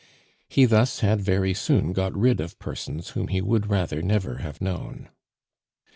He thus had very soon got rid of persons whom he would rather never have known.